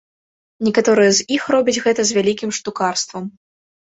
Некаторыя з іх робяць гэта з вялікім штукарствам.